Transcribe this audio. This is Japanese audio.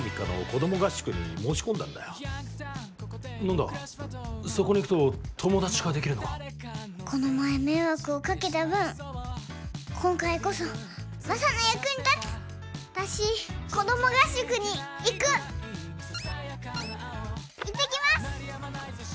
この前迷惑をかけた分今回こそ私行ってきます！